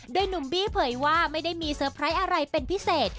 โดยหนุ่มบี้เผยว่าไม่ได้มีเซอร์ไพรส์อะไรเป็นพิเศษ